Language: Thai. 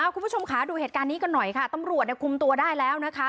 คุณผู้ชมค่ะดูเหตุการณ์นี้กันหน่อยค่ะตำรวจคุมตัวได้แล้วนะคะ